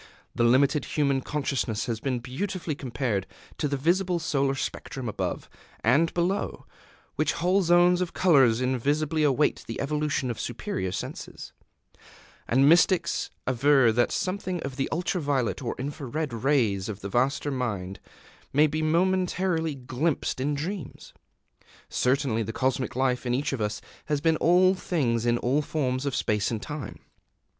The limited human consciousness has been beautifully compared to the visible solar spectrum, above and below which whole zones of colors invisible await the evolution of superior senses; and mystics aver that something of the ultra violet or infra red rays of the vaster Mind may be momentarily glimpsed in dreams. Certainly the Cosmic Life in each of us has been all things in all forms of space and time.